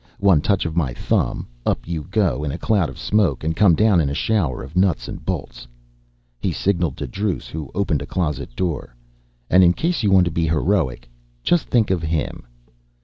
One touch of my thumb, up you go in a cloud of smoke and come down in a shower of nuts and bolts." He signalled to Druce who opened a closet door. "And in case you want to be heroic, just think of him."